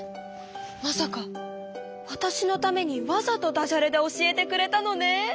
まさかわたしのためにわざとダジャレで教えてくれたのね！